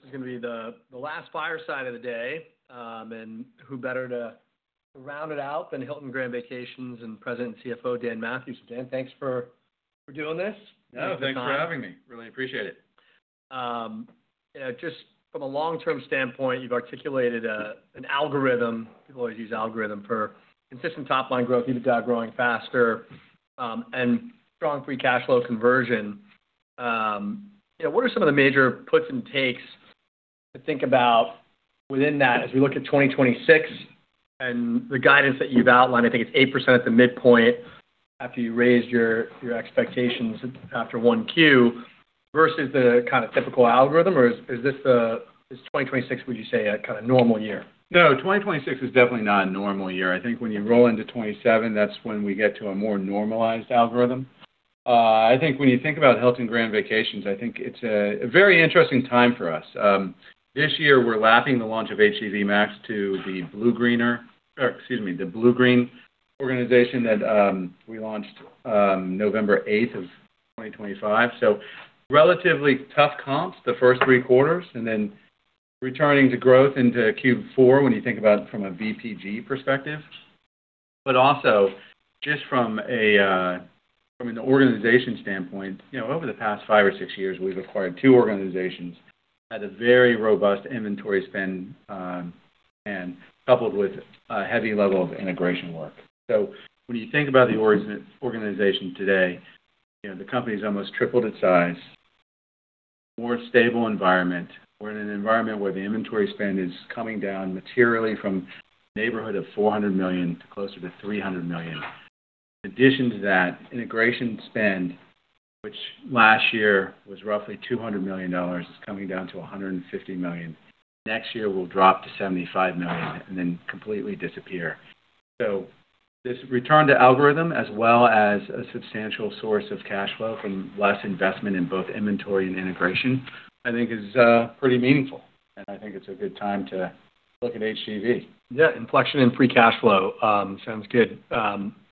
Well, this is going to be the last fireside of the day. Who better to round it out than Hilton Grand Vacations and President and CFO, Dan Mathewes. Dan, thanks for doing this. No, thanks for having me. Really appreciate it. Just from a long-term standpoint, you've articulated an algorithm, people always use algorithm, for consistent top-line growth. You've got growing faster, and strong free cash flow conversion. What are some of the major puts and takes to think about within that as we look at 2026 and the guidance that you've outlined? I think it's 8% at the midpoint after you raised your expectations after 1Q, versus the kind of typical algorithm. Is 2026, would you say, a kind of normal year? No, 2026 is definitely not a normal year. I think when you roll into 2027, that's when we get to a more normalized algorithm. I think when you think about Hilton Grand Vacations, I think it's a very interesting time for us. This year, we're lapping the launch of HGV Max to the Bluegreen organization that we launched November 8th of 2025. Relatively tough comps the first three quarters, and then returning to growth into Q4 when you think about it from a VPG perspective. Also, just from an organization standpoint, over the past five or six years, we've acquired two organizations, had a very robust inventory spend, and coupled with a heavy level of integration work. When you think about the organization today, the company's almost tripled its size, more stable environment. We're in an environment where the inventory spend is coming down materially from the neighborhood of $400 million to closer to $300 million. In addition to that, integration spend, which last year was roughly $200 million, is coming down to $150 million. Next year, it will drop to $75 million and then completely disappear. This return to algorithm, as well as a substantial source of cash flow from less investment in both inventory and integration, I think is pretty meaningful. I think it's a good time to look at HGV. Yeah, inflection in free cash flow sounds good.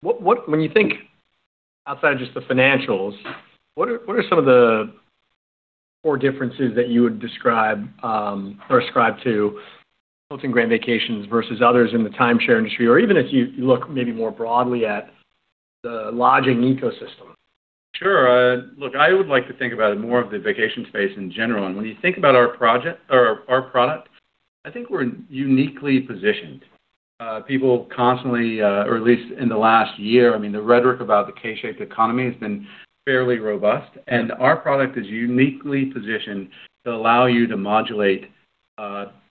When you think outside of just the financials, what are some of the core differences that you would describe or ascribe to Hilton Grand Vacations versus others in the timeshare industry, or even if you look maybe more broadly at the lodging ecosystem? Sure. Look, I would like to think about it more of the vacation space in general. When you think about our product, I think we're uniquely positioned. People constantly, or at least in the last year, I mean, the rhetoric about the K-shaped economy has been fairly robust, and our product is uniquely positioned to allow you to modulate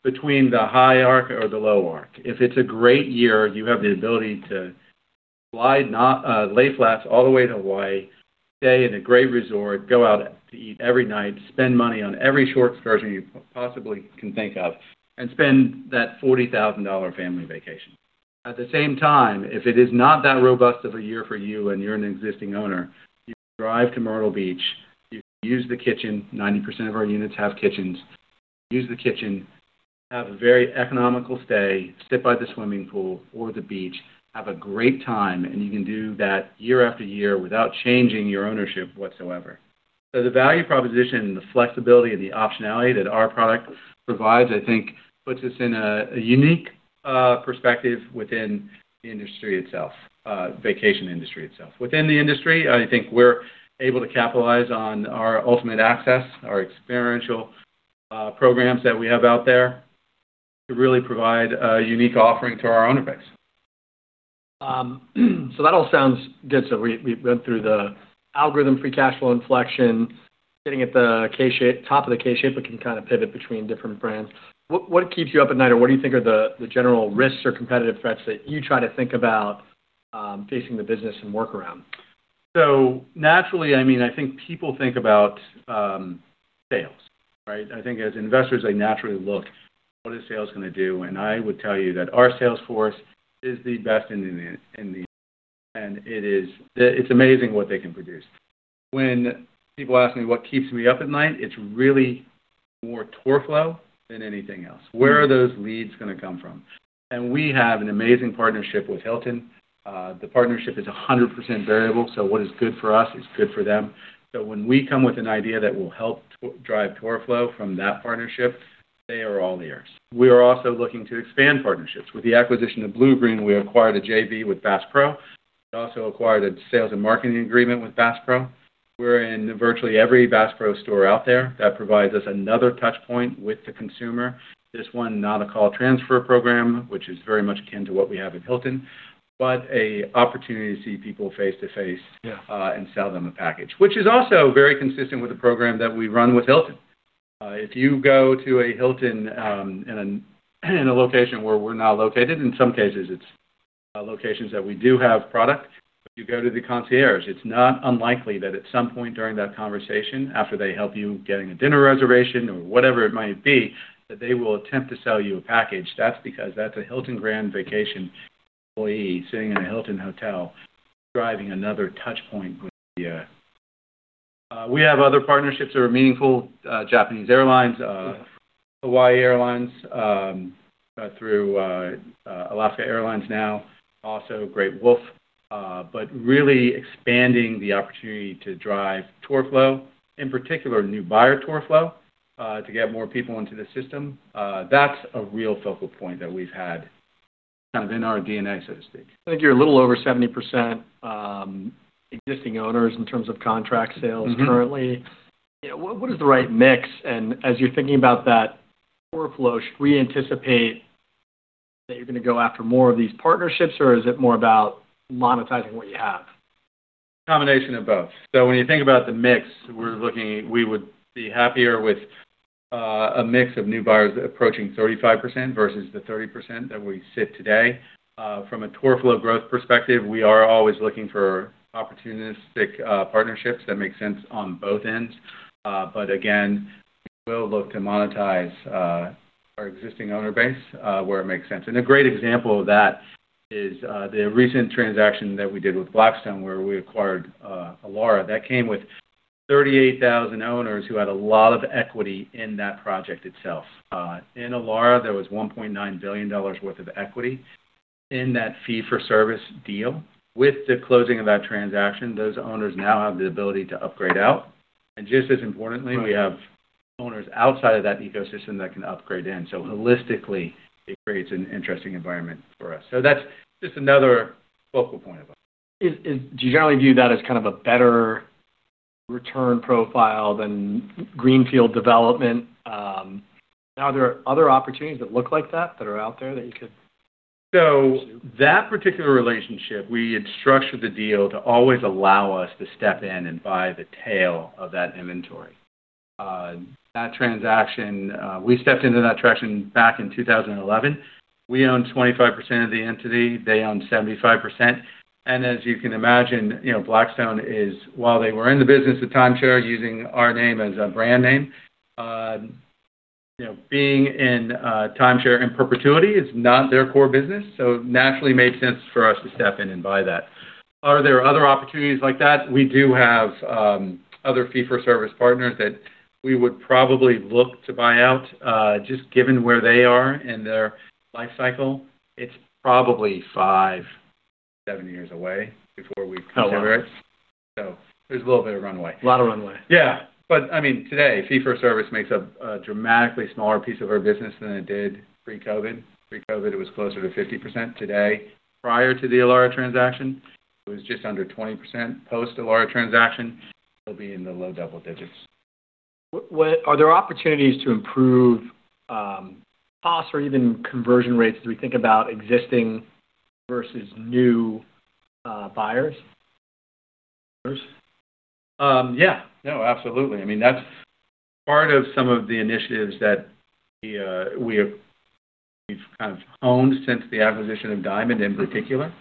between the high arc or the low arc. If it's a great year, you have the ability to lie-flat all the way to Hawaii, stay in a great resort, go out to eat every night, spend money on every shore excursion you possibly can think of, and spend that $40,000 family vacation. At the same time, if it is not that robust of a year for you and you're an existing owner, you can drive to Myrtle Beach, you can use the kitchen. 90% of our units have kitchens. Use the kitchen, have a very economical stay, sit by the swimming pool or the beach, have a great time. You can do that year after year without changing your ownership whatsoever. The value proposition and the flexibility and the optionality that our product provides, I think puts us in a unique perspective within the industry itself, vacation industry itself. Within the industry, I think we're able to capitalize on our Ultimate Access, our experiential programs that we have out there to really provide a unique offering to our owner base. That all sounds good. We've went through the algorithm, free cash flow inflection, getting at the top of the K-shape, we can kind of pivot between different brands. What keeps you up at night, or what do you think are the general risks or competitive threats that you try to think about facing the business and work around? Naturally, I think people think about sales, right? I think as investors, they naturally look, what is sales going to do? I would tell you that our sales force is the best in the industry, and it's amazing what they can produce. When people ask me what keeps me up at night, it's really more tour flow than anything else. Where are those leads going to come from? We have an amazing partnership with Hilton. The partnership is 100% variable, so what is good for us is good for them. When we come with an idea that will help drive tour flow from that partnership, they are all ears. We are also looking to expand partnerships. With the acquisition of Bluegreen, we acquired a JV with Bass Pro. We also acquired a sales and marketing agreement with Bass Pro. We're in virtually every Bass Pro store out there. That provides us another touchpoint with the consumer. This one, not a call transfer program, which is very much akin to what we have with Hilton, but a opportunity to see people face to face. Yeah Sell them a package. Which is also very consistent with the program that we run with Hilton. If you go to a Hilton in a location where we're now located, in some cases it's locations that we do have product. If you go to the concierge, it's not unlikely that at some point during that conversation, after they help you getting a dinner reservation or whatever it might be, that they will attempt to sell you a package. That's because that's a Hilton Grand Vacations employee sitting in a Hilton hotel, driving another touch point with you. We have other partnerships that are meaningful. Japan Airlines. Yeah Hawaiian Airlines through Alaska Airlines now, also Great Wolf. Really expanding the opportunity to drive tour flow, in particular new buyer tour flow, to get more people into the system. That's a real focal point that we've had in our DNA, so to speak. I think you're a little over 70% existing owners in terms of contract sales currently. What is the right mix? As you're thinking about that tour flow, should we anticipate that you're going to go after more of these partnerships or is it more about monetizing what you have? A combination of both. When you think about the mix, we would be happier with a mix of new buyers approaching 35% versus the 30% that we sit today. From a tour flow growth perspective, we are always looking for opportunistic partnerships that make sense on both ends. Again, we will look to monetize our existing owner base where it makes sense. A great example of that is the recent transaction that we did with Blackstone, where we acquired Elara. That came with 38,000 owners who had a lot of equity in that project itself. In Elara, there was $1.9 billion worth of equity in that fee-for-service deal. With the closing of that transaction, those owners now have the ability to upgrade out, and just as importantly, we have owners outside of that ecosystem that can upgrade in. Holistically, it creates an interesting environment for us. That's just another focal point of us. Do you generally view that as a better return profile than greenfield development? Are there other opportunities that look like that that are out there that you could pursue? That particular relationship, we had structured the deal to always allow us to step in and buy the tail of that inventory. That transaction, we stepped into that transaction back in 2011. We own 25% of the entity, they own 75%. As you can imagine, Blackstone is, while they were in the business of timeshare using our name as a brand name, being in timeshare in perpetuity is not their core business. It naturally made sense for us to step in and buy that. Are there other opportunities like that? We do have other fee-for-service partners that we would probably look to buy out. Just given where they are in their life cycle, it's probably five, seven years away before we'd consider it. Okay. There's a little bit of runway. A lot of runway. Today, fee-for-service makes up a dramatically smaller piece of our business than it did pre-COVID. Pre-COVID, it was closer to 50%. Today, prior to the Elara transaction, it was just under 20%. Post Elara transaction, it'll be in the low double digits. Are there opportunities to improve costs or even conversion rates as we think about existing versus new buyers? Yeah. No, absolutely. That's part of some of the initiatives that we've honed since the acquisition of Diamond in particular.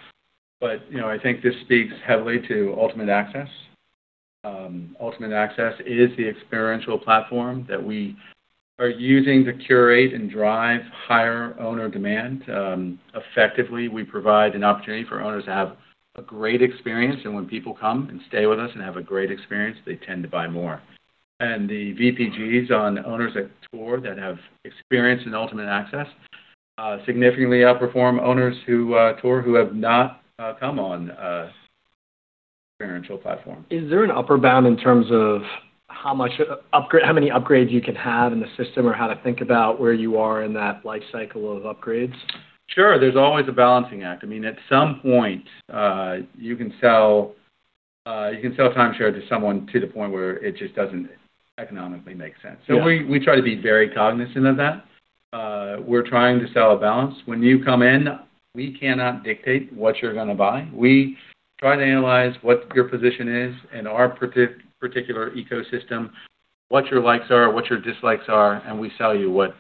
I think this speaks heavily to Ultimate Access. Ultimate Access is the experiential platform that we are using to curate and drive higher owner demand. Effectively, we provide an opportunity for owners to have a great experience, and when people come and stay with us and have a great experience, they tend to buy more. The VPGs on owners that tour that have experienced an Ultimate Access significantly outperform owners who tour who have not come on the experiential platform. Is there an upper bound in terms of how many upgrades you can have in the system or how to think about where you are in that life cycle of upgrades? Sure. There's always a balancing act. At some point, you can sell a timeshare to someone to the point where it just doesn't economically make sense. Yeah. We try to be very cognizant of that. We're trying to sell a balance. When you come in, we cannot dictate what you're going to buy. We try to analyze what your position is in our particular ecosystem, what your likes are, what your dislikes are, and we sell you what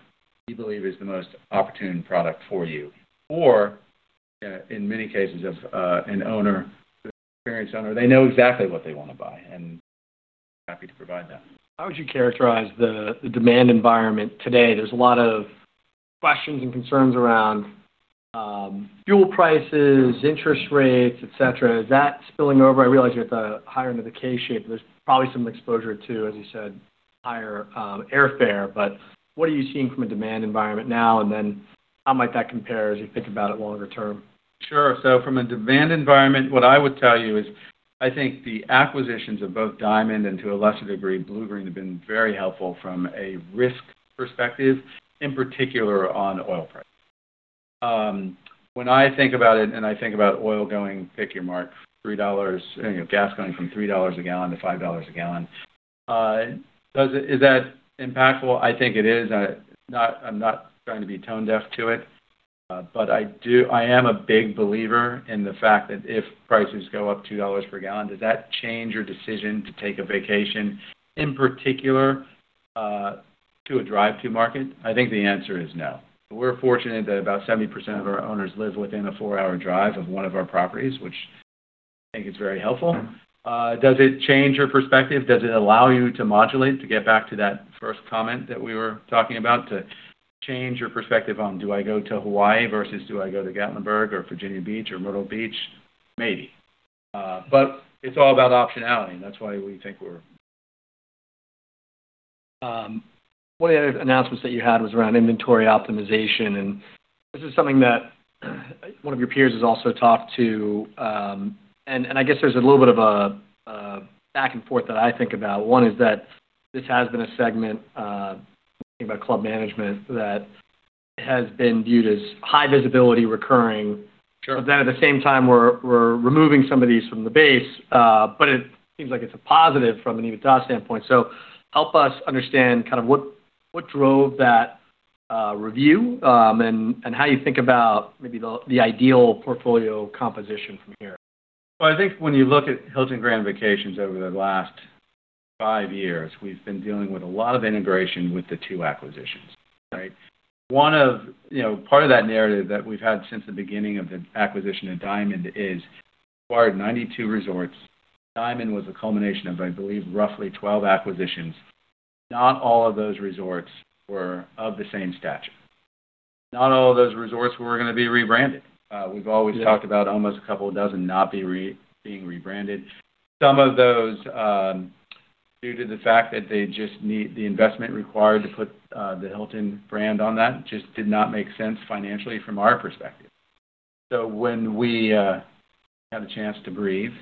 we believe is the most opportune product for you. In many cases of an owner, an experienced owner, they know exactly what they want to buy, and we're happy to provide that. How would you characterize the demand environment today? There's a lot of questions and concerns around fuel prices, interest rates, et cetera. Is that spilling over? I realize you're at the higher end of the K-shape. There's probably some exposure to, as you said, higher airfare. What are you seeing from a demand environment now, and then how might that compare as you think about it longer term? Sure. From a demand environment, what I would tell you is I think the acquisitions of both Diamond, and to a lesser degree Bluegreen, have been very helpful from a risk perspective, in particular on oil price. When I think about it and I think about oil going, pick your mark, gas going from $3 a gallon to $5 a gallon. Is that impactful? I think it is. I'm not trying to be tone deaf to it. I am a big believer in the fact that if prices go up $2 per gallon, does that change your decision to take a vacation, in particular, to a drive-to market? I think the answer is no. We're fortunate that about 70% of our owners live within a four-hour drive of one of our properties, which I think is very helpful. Does it change your perspective? Does it allow you to modulate, to get back to that first comment that we were talking about, to change your perspective on do I go to Hawaii versus do I go to Gatlinburg or Virginia Beach or Myrtle Beach? Maybe. It's all about optionality, and that's why we think we're- One of the other announcements that you had was around inventory optimization, this is something that one of your peers has also talked to. I guess there's a little bit of a back and forth that I think about. One is that this has been a segment, when you think about club management that has been viewed as high visibility recurring. Sure. At the same time, we're removing some of these from the base. It seems like it's a positive from an EBITDA standpoint. Help us understand kind of what drove that review, and how you think about maybe the ideal portfolio composition from here. Well, I think when you look at Hilton Grand Vacations over the last five years, we've been dealing with a lot of integration with the two acquisitions, right? Part of that narrative that we've had since the beginning of the acquisition of Diamond is acquired 92 resorts. Diamond was a culmination of, I believe, roughly 12 acquisitions. Not all of those resorts were of the same stature. Not all of those resorts were going to be rebranded. Yeah. We've always talked about almost a couple of dozen not being rebranded. Some of those, due to the fact that they just need the investment required to put the Hilton brand on that, just did not make sense financially from our perspective. When we had a chance to breathe,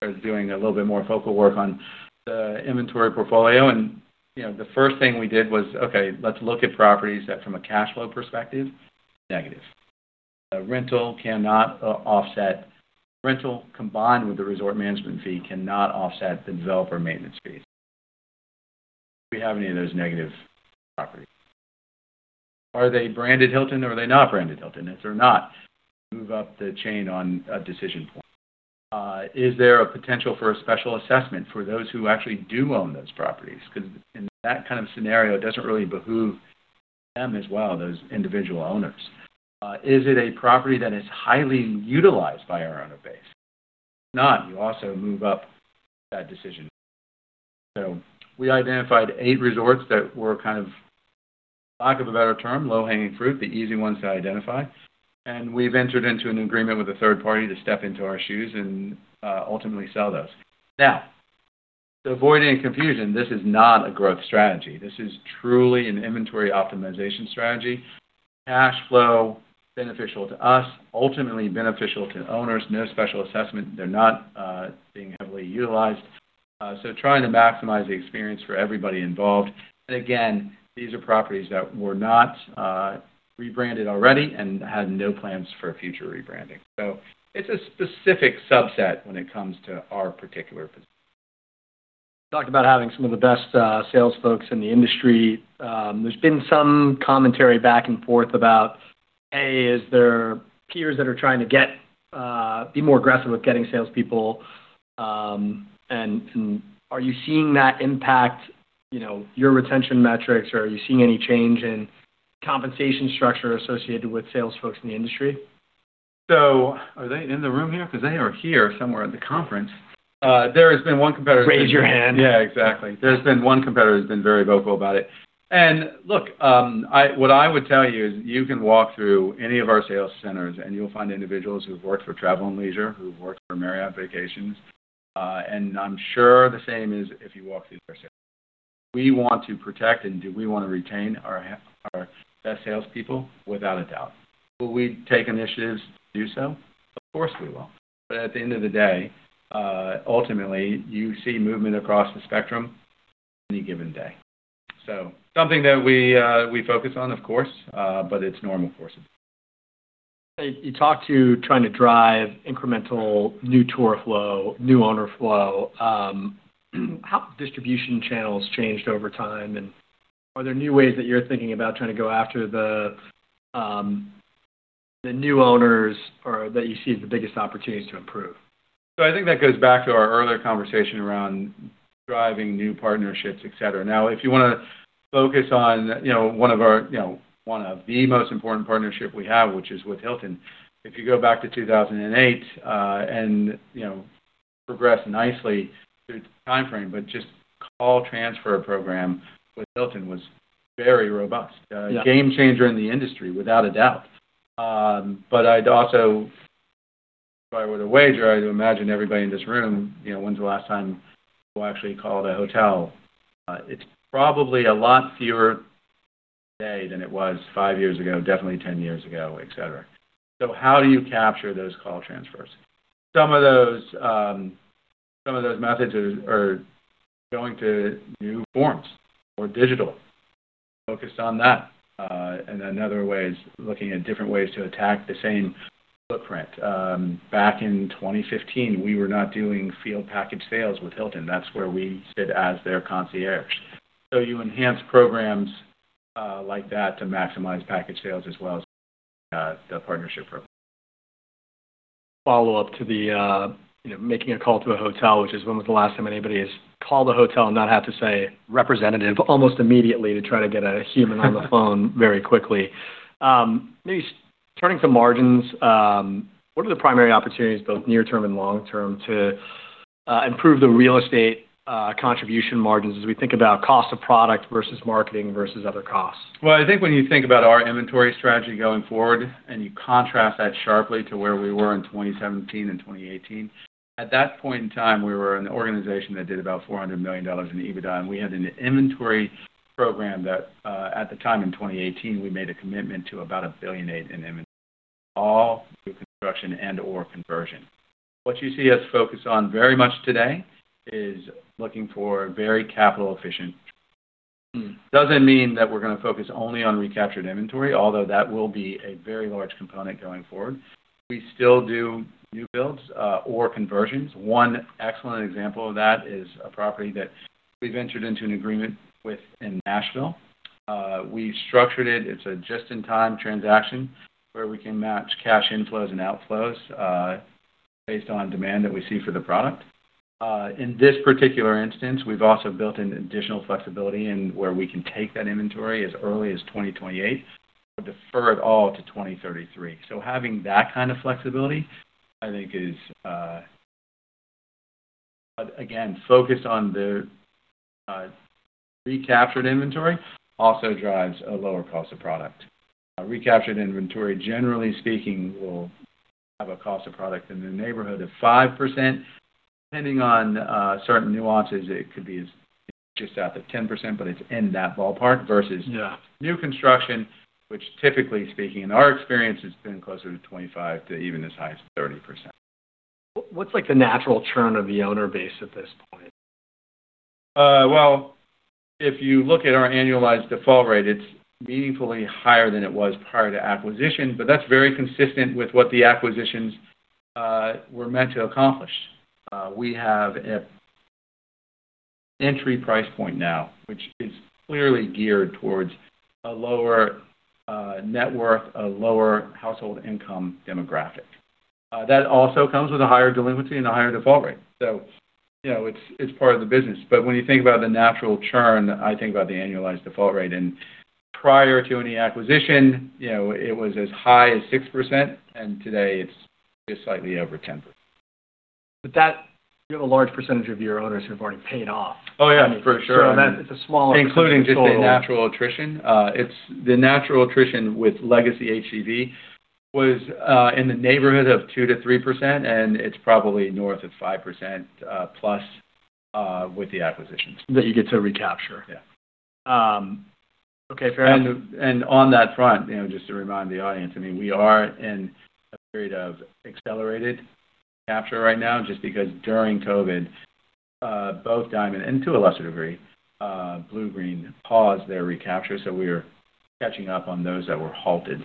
started doing a little bit more focal work on the inventory portfolio, and the first thing we did was, okay, let's look at properties that from a cash flow perspective, negative. Rental combined with the resort management fee cannot offset the developer maintenance fees. Do we have any of those negative properties? Are they branded Hilton or are they not branded Hilton? If they're not, move up the chain on a decision point. Is there a potential for a special assessment for those who actually do own those properties? Because in that kind of scenario, it doesn't really behoove them as well, those individual owners. Is it a property that is highly utilized by our owner base? If not, you also move up that decision. We identified eight resorts that were kind of, lack of a better term, low-hanging fruit, the easy ones to identify. We've entered into an agreement with a third party to step into our shoes and ultimately sell those. Now, to avoid any confusion, this is not a growth strategy. This is truly an inventory optimization strategy. Cash flow beneficial to us, ultimately beneficial to owners. No special assessment. They're not being heavily utilized. Trying to maximize the experience for everybody involved. Again, these are properties that were not rebranded already and had no plans for future rebranding. It's a specific subset when it comes to our particular position. Talked about having some of the best sales folks in the industry. There's been some commentary back and forth about, A, is there peers that are trying to be more aggressive with getting salespeople, and are you seeing that impact your retention metrics, or are you seeing any change in compensation structure associated with sales folks in the industry? Are they in the room here? They are here somewhere at the conference. There has been one competitor. Raise your hand. Yeah, exactly. There's been one competitor who's been very vocal about it. Look, what I would tell you is you can walk through any of our sales centers, and you'll find individuals who've worked for Travel + Leisure Co., who've worked for Marriott Vacations Worldwide. I'm sure the same is if you walk through. Do we want to protect and do we want to retain our best salespeople? Without a doubt. Will we take initiatives to do so? Of course, we will. At the end of the day, ultimately, you see movement across the spectrum any given day. Something that we focus on, of course, but it's normal for us. You talked to trying to drive incremental new tour flow, new owner flow. How have distribution channels changed over time, and are there new ways that you're thinking about trying to go after the new owners or that you see as the biggest opportunities to improve? I think that goes back to our earlier conversation around driving new partnerships, etcetera. If you want to focus on one of the most important partnership we have, which is with Hilton. If you go back to 2008, and progressed nicely through the time frame, but just call transfer program with Hilton was very robust. Yeah. A game changer in the industry, without a doubt. I'd also, if I were to wager, I'd imagine everybody in this room, when's the last time you actually called a hotel? It's probably a lot fewer today than it was five years ago, definitely 10 years ago, et cetera. How do you capture those call transfers? Some of those methods are going to new forms or digital, focused on that. Other ways, looking at different ways to attack the same footprint. Back in 2015, we were not doing field package sales with Hilton. That's where we sit as their concierge. You enhance programs like that to maximize package sales as well as the partnership program. Follow-up to the making a call to a hotel, which is when was the last time anybody has called a hotel and not had to say, "Representative," almost immediately to try to get a human on the phone very quickly. Maybe turning to margins, what are the primary opportunities, both near term and long term, to improve the real estate contribution margins as we think about cost of product versus marketing versus other costs? Well, I think when you think about our inventory strategy going forward, you contrast that sharply to where we were in 2017 and 2018. At that point in time, we were an organization that did about $400 million in EBITDA. We had an inventory program that at the time, in 2018, we made a commitment to about $1.8 billion in inventory, all through construction and/or conversion. What you see us focus on very much today is looking for very capital-efficient. It doesn't mean that we're going to focus only on recaptured inventory, although that will be a very large component going forward. We still do new builds or conversions. One excellent example of that is a property that we've entered into an agreement with in Nashville. We've structured it. It's a just-in-time transaction where we can match cash inflows and outflows based on demand that we see for the product. In this particular instance, we've also built in additional flexibility in where we can take that inventory as early as 2028 or defer it all to 2033. Having that kind of flexibility, again, focus on the recaptured inventory also drives a lower cost of product. Recaptured inventory, generally speaking, will have a cost of product in the neighborhood of 5%. Depending on certain nuances, it could be maybe just south of 10%, but it's in that ballpark. Yeah New construction, which typically speaking, in our experience, has been closer to 25% to even as high as 30%. What's like the natural churn of the owner base at this point? If you look at our annualized default rate, it's meaningfully higher than it was prior to acquisition, but that's very consistent with what the acquisitions were meant to accomplish. We have an entry price point now, which is clearly geared towards a lower net worth, a lower household income demographic. That also comes with a higher delinquency and a higher default rate. It's part of the business. When you think about the natural churn, I think about the annualized default rate. Prior to any acquisition, it was as high as 6%, and today it's just slightly over 10%. That, you have a large percentage of your owners who've already paid off. Oh, yeah. For sure. That it's a smaller percentage. Including just the natural attrition. The natural attrition with legacy HGV was in the neighborhood of 2% to 3%, and it's probably north of 5% plus with the acquisitions. That you get to recapture. Yeah. Okay, fair enough. On that front, just to remind the audience, we are in a period of accelerated recapture right now, just because during COVID, both Diamond and to a lesser degree, Bluegreen, paused their recapture. We are catching up on those that were halted.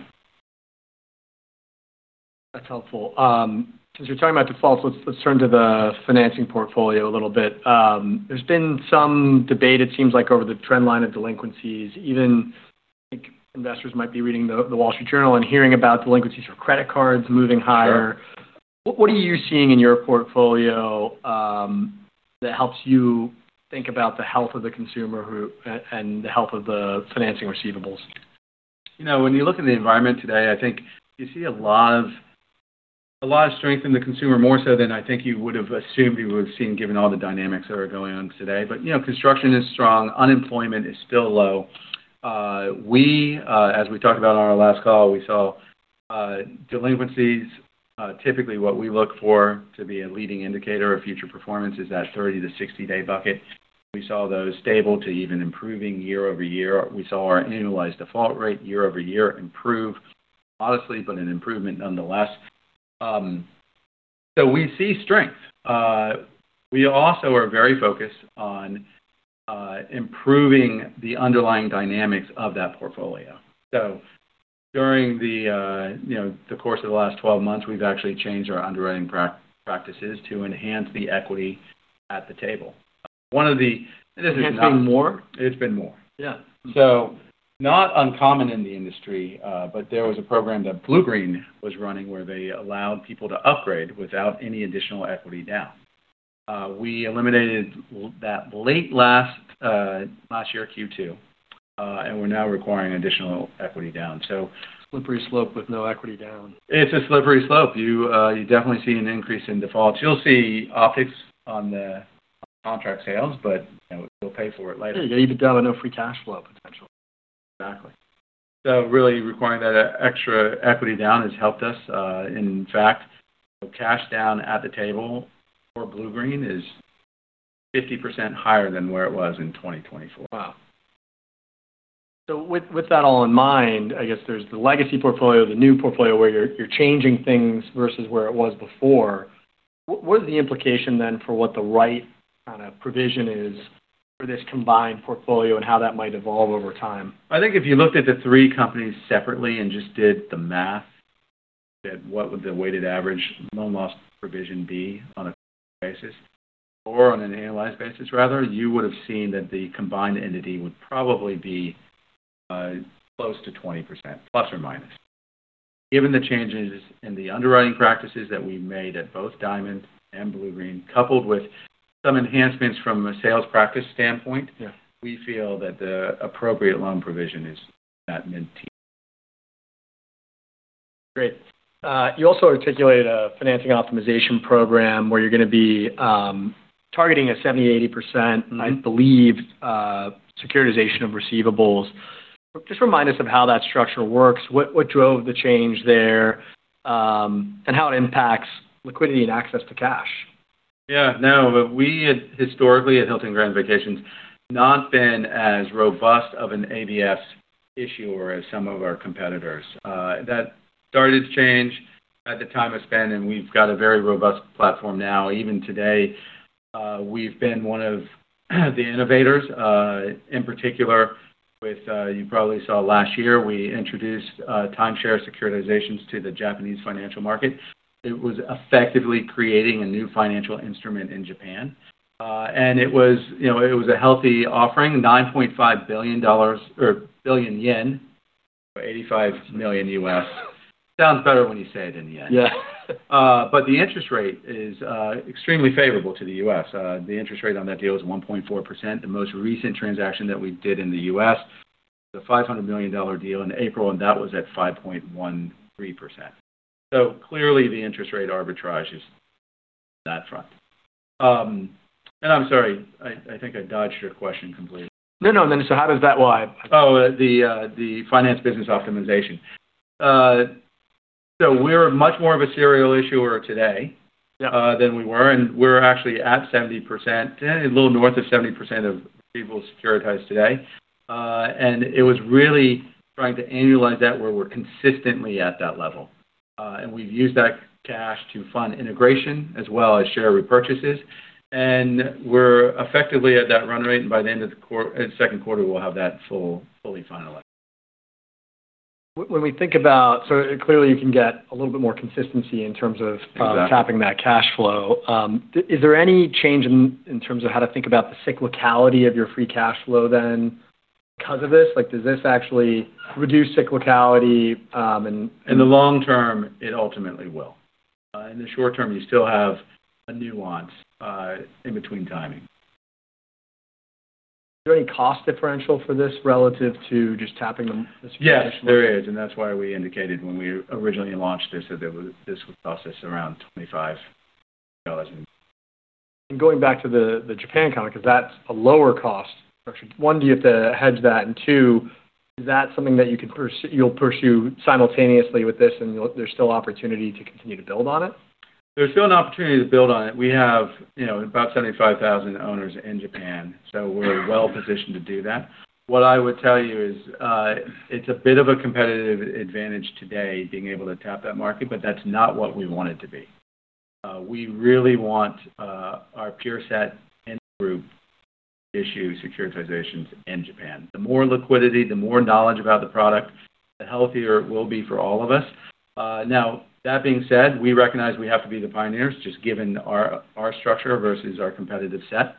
That's helpful. Since you're talking about defaults, let's turn to the financing portfolio a little bit. There's been some debate, it seems like, over the trend line of delinquencies. Even, I think, investors might be reading The Wall Street Journal and hearing about delinquencies for credit cards moving higher. Sure. What are you seeing in your portfolio that helps you think about the health of the consumer and the health of the financing receivables? When you look in the environment today, I think you see a lot of strength in the consumer, more so than I think you would've assumed you would've seen given all the dynamics that are going on today. Construction is strong. Unemployment is still low. We, as we talked about on our last call, we saw delinquencies. Typically, what we look for to be a leading indicator of future performance is that 30- to 60-day bucket. We saw those stable to even improving year-over-year. We saw our annualized default rate year-over-year improve, modestly, but an improvement nonetheless. We see strength. We also are very focused on improving the underlying dynamics of that portfolio. During the course of the last 12 months, we've actually changed our underwriting practices to enhance the equity at the table. It's been more? It's been more. Yeah. Not uncommon in the industry. There was a program that Bluegreen was running where they allowed people to upgrade without any additional equity down. We eliminated that late last year, Q2, and we're now requiring additional equity down. Slippery slope with no equity down. It's a slippery slope. You definitely see an increase in defaults. You'll see optics on the contract sales, but we'll pay for it later. You could delve into free cash flow potential. Exactly. Really requiring that extra equity down has helped us. In fact, cash down at the table for Bluegreen is 50% higher than where it was in 2024. Wow. With that all in mind, I guess there's the legacy portfolio, the new portfolio where you're changing things versus where it was before. What is the implication then for what the right kind of provision is for this combined portfolio and how that might evolve over time? I think if you looked at the three companies separately and just did the math that what would the weighted average loan loss provision be on a forward basis or on an annualized basis rather, you would've seen that the combined entity would probably be close to 20% ±. Given the changes in the underwriting practices that we've made at both Diamond and Bluegreen, coupled with some enhancements from a sales practice standpoint. Yeah We feel that the appropriate loan provision is that mid-teen. Great. You also articulated a financing optimization program where you're going to be targeting a 70%, 80%, I believe, securitization of receivables. Just remind us of how that structure works, what drove the change there, and how it impacts liquidity and access to cash. Yeah. No, but we had historically, at Hilton Grand Vacations, not been as robust of an ABS issuer as some of our competitors. That started to change at the time of spin, and we've got a very robust platform now. Even today, we've been one of the innovators, in particular with, you probably saw last year, we introduced timeshare securitizations to the Japanese financial market. It was effectively creating a new financial instrument in Japan. It was a healthy offering, JPY 9.5 billion, or billion JPY. $85 million. Sounds better when you say it in JPY. Yeah. The interest rate is extremely favorable to the U.S. The interest rate on that deal is 1.4%. The most recent transaction that we did in the U.S., it was a $500 million deal in April, and that was at 5.13%. Clearly the interest rate arbitrage is on that front. I'm sorry, I think I dodged your question completely. No, no. How does that why? Oh, the finance business optimization. We're much more of a serial issuer today. Yeah Than we were, and we're actually at 70%, a little north of 70% of people securitized today. It was really trying to annualize that, where we're consistently at that level. We've used that cash to fund integration as well as share repurchases. We're effectively at that run rate, and by the end of the second quarter, we'll have that fully finalized. Clearly you can get a little bit more consistency in terms of- Exactly Tapping that cash flow. Is there any change in terms of how to think about the cyclicality of your free cash flow then because of this? Does this actually reduce cyclicality? In the long term, it ultimately will. In the short term, you still have a nuance in between timing. Is there any cost differential for this relative to just tapping the- Yes. There is. That's why we indicated when we originally launched this, that this would cost us around $25 million. Going back to the Japan comment, because that's a lower cost structure. One, do you have to hedge that? Two, is that something that you'll pursue simultaneously with this, and there's still opportunity to continue to build on it? There's still an opportunity to build on it. We have about 75,000 owners in Japan, so we're well-positioned to do that. What I would tell you is it's a bit of a competitive advantage today, being able to tap that market, but that's not what we want it to be. We really want our pure set in group issue securitizations in Japan. The more liquidity, the more knowledge about the product, the healthier it will be for all of us. That being said, we recognize we have to be the pioneers, just given our structure versus our competitive set.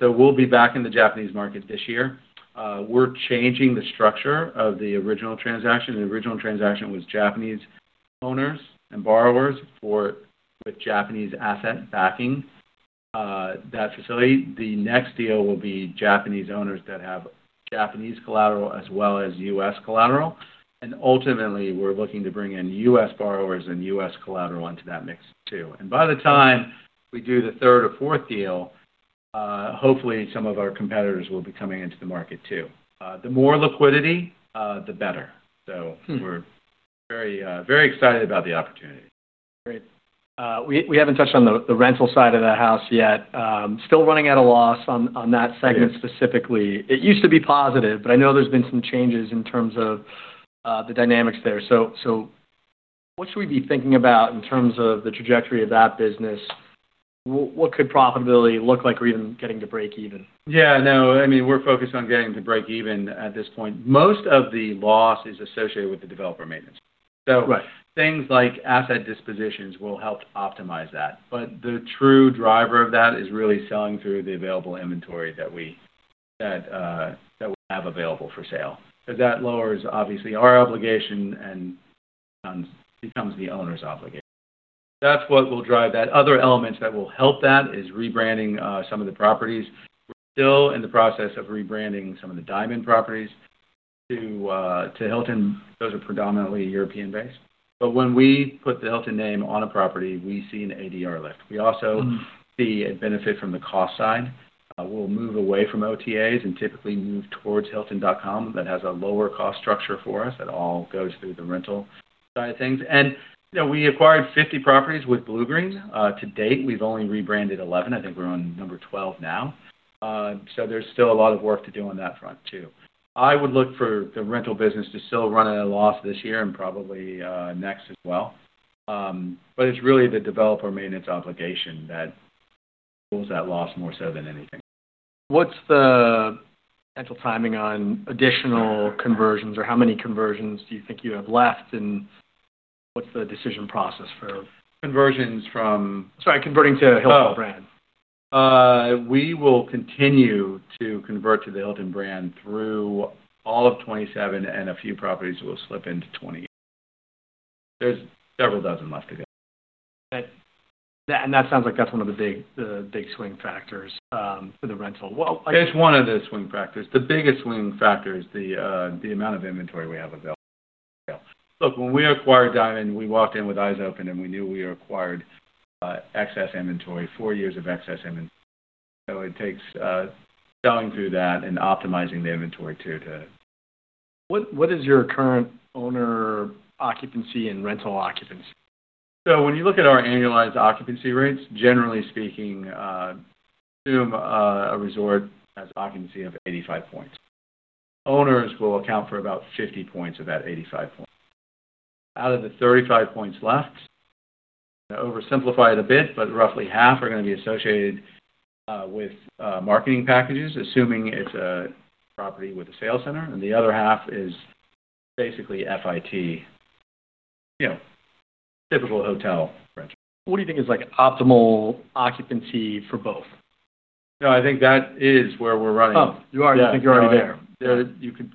We'll be back in the Japanese market this year. We're changing the structure of the original transaction. The original transaction was Japanese owners and borrowers with Japanese asset backing that facility. The next deal will be Japanese owners that have Japanese collateral as well as U.S. collateral. Ultimately, we're looking to bring in U.S. borrowers and U.S. collateral into that mix too. By the time we do the third or fourth deal, hopefully some of our competitors will be coming into the market too. The more liquidity, the better. We're very excited about the opportunity. Great. We haven't touched on the rental side of the house yet. Still running at a loss on that segment specifically. It used to be positive, I know there's been some changes in terms of the dynamics there. What should we be thinking about in terms of the trajectory of that business? What could profitability look like? We're even getting to breakeven. Yeah. No, we're focused on getting to breakeven at this point. Most of the loss is associated with the developer maintenance. Right. Things like asset dispositions will help optimize that. The true driver of that is really selling through the available inventory that we have available for sale. That lowers, obviously, our obligation and becomes the owner's obligation. That's what will drive that. Other elements that will help that is rebranding some of the properties. We're still in the process of rebranding some of the Diamond properties to Hilton. Those are predominantly European based. When we put the Hilton name on a property, we see an ADR lift. We also see a benefit from the cost side. We'll move away from OTAs and typically move towards hilton.com. That has a lower cost structure for us. That all goes through the rental side of things. We acquired 50 properties with Bluegreen. To date, we've only rebranded 11. I think we're on number 12 now. There's still a lot of work to do on that front too. I would look for the rental business to still run at a loss this year and probably next as well. It's really the developer maintenance obligation that pulls that loss more so than anything. What's the potential timing on additional conversions? How many conversions do you think you have left, and what's the decision process? Conversions from? Sorry, converting to Hilton brands. We will continue to convert to the Hilton brand through all of 2027, and a few properties will slip into 2028. There's several dozen left to go. Okay. That sounds like that's one of the big swing factors for the rental. It's one of the swing factors. The biggest swing factor is the amount of inventory we have available. Look, when we acquired Diamond, we walked in with eyes open and we knew we acquired excess inventory, four years of excess inventory. It takes selling through that and optimizing the inventory too. What is your current owner occupancy and rental occupancy? When you look at our annualized occupancy rates, generally speaking, assume a resort has occupancy of 85 points. Owners will account for about 50 points of that 85 points. Out of the 35 points left, I oversimplify it a bit, but roughly half are going to be associated with marketing packages, assuming it's a property with a sales center, and the other half is basically FIT, typical hotel rental. What do you think is optimal occupancy for both? No, I think that is where we're running. Oh, you think you're already there? You could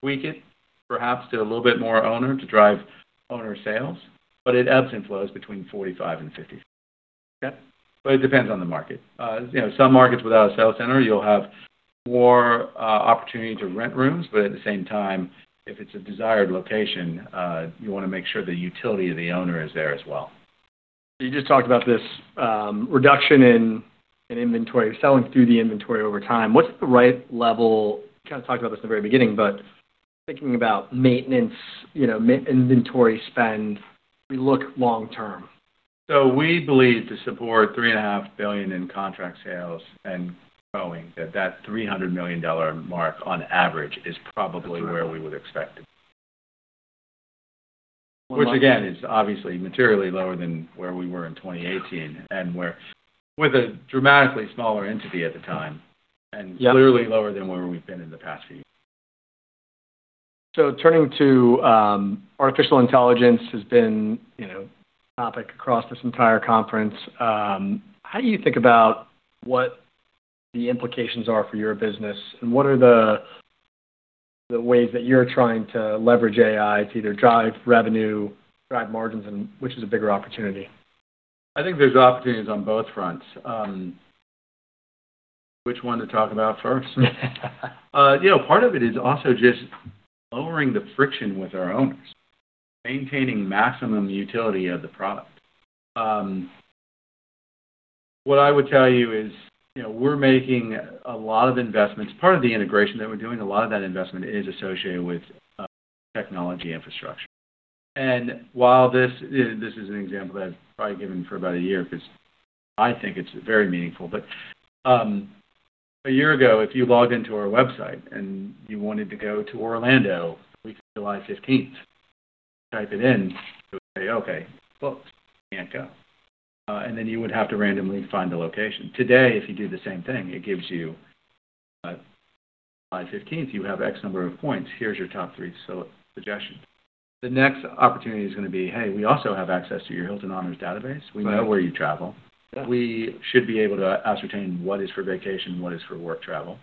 tweak it perhaps to a little bit more owner to drive owner sales, but it ebbs and flows between 45 and 55. Okay. It depends on the market. Some markets without a sales center, you'll have more opportunity to rent rooms, but at the same time, if it's a desired location, you want to make sure the utility of the owner is there as well. You just talked about this, reduction in inventory, selling through the inventory over time. What's the right level? You kind of talked about this at the very beginning. Thinking about maintenance, inventory spend, we look long term. We believe to support $3.5 billion in contract sales and growing, that that $300 million mark on average is probably where we would expect it. Again, is obviously materially lower than where we were in 2018 and with a dramatically smaller entity at the time, and clearly lower than where we've been in the past few years. Turning to artificial intelligence has been a topic across this entire conference. How do you think about what the implications are for your business, and what are the ways that you're trying to leverage AI to either drive revenue, drive margins, and which is a bigger opportunity? I think there's opportunities on both fronts. Which one to talk about first? Part of it is also just lowering the friction with our owners, maintaining maximum utility of the product. What I would tell you is, we're making a lot of investments. Part of the integration that we're doing, a lot of that investment is associated with technology infrastructure. While this is an example that I've probably given for about a year because I think it's very meaningful, but a year ago, if you logged into our website and you wanted to go to Orlando the week of July 15th, you type it in, it would say, "Okay, booked. You can't go." Then you would have to randomly find a location. Today, if you do the same thing, it gives you, "On July 15th, you have X number of points. Here's your top three suggestions. The next opportunity is going to be, hey, we also have access to your Hilton Honors database. Right. We know where you travel. Yeah. We should be able to ascertain what is for vacation, what is for work travel.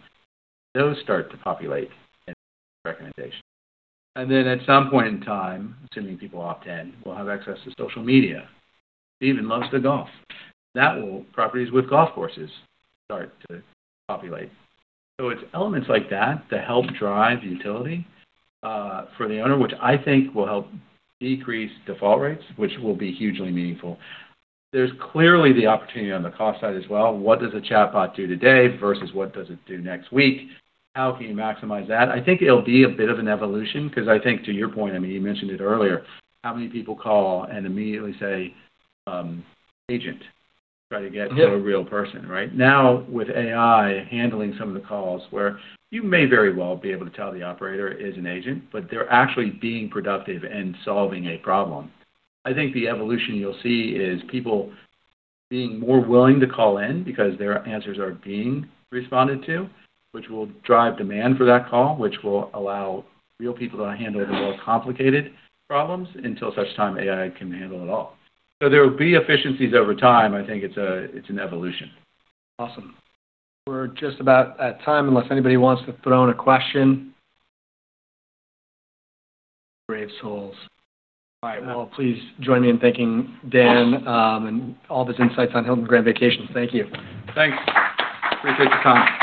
Those start to populate in recommendation. At some point in time, assuming people opt in, we'll have access to social media. Steven loves to golf. Properties with golf courses start to populate. It's elements like that that help drive utility, for the owner, which I think will help decrease default rates, which will be hugely meaningful. There's clearly the opportunity on the cost side as well. What does a chatbot do today versus what does it do next week? How can you maximize that? I think it'll be a bit of an evolution, because I think to your point, you mentioned it earlier, how many people call and immediately say, "Agent," try to get to a real person, right? Now, with AI handling some of the calls where you may very well be able to tell the operator is an agent, but they're actually being productive and solving a problem. I think the evolution you'll see is people being more willing to call in because their answers are being responded to, which will drive demand for that call, which will allow real people to handle the more complicated problems until such time AI can handle it all. There will be efficiencies over time. I think it's an evolution. Awesome. We're just about at time unless anybody wants to throw in a question. Brave souls. All right. Well, please join me in thanking Dan, and all of his insights on Hilton Grand Vacations. Thank you. Thanks. Appreciate your time.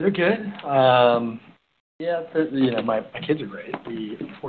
They're good. Yeah, my kids are great.